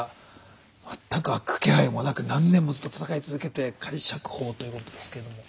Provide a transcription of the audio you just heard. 全く開く気配もなく何年もずっと闘い続けて仮釈放ということですけども。